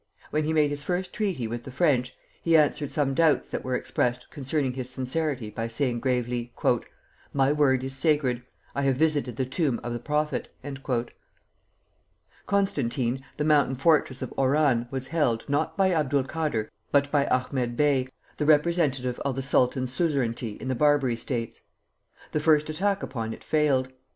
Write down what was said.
When he made his first treaty with the French, he answered some doubts that were expressed concerning his sincerity by saying gravely: "My word is sacred; I have visited the tomb of the Prophet." Constantine, the mountain fortress of Oran, was held, not by Abdul Kader, but by Ahmed Bey, the representative of the sultan's suzerainty in the Barbary States. The first attack upon it failed.